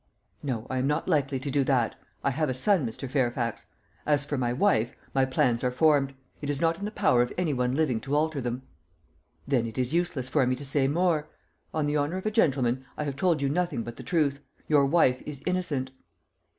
"No, I am not likely to do that. I have a son, Mr. Fairfax. As for my wife, my plans are formed. It is not in the power of any one living to alter them." "Then it is useless for me to say more. On the honour of a gentleman, I have told you nothing but the truth. Your wife is innocent."